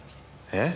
え？